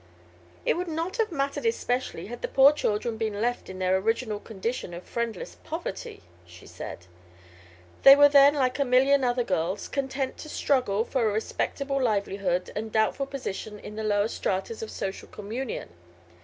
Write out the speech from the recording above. "It would not have mattered especially had the poor children been left in their original condition of friendless poverty," she said. "They were then like a million other girls, content to struggle for a respectable livelihood and a doubtful position in the lower stratas of social communion.